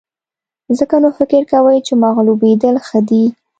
ځکه نو فکر کوئ چې مغلوبېدل ښه دي.